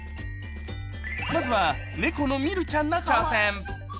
まずはネコのミルちゃんが挑戦